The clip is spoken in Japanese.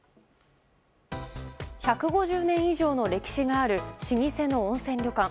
１５０年以上の歴史がある老舗の温泉旅館。